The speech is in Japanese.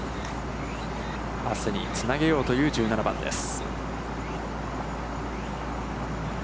あすにつなげようという１７番です。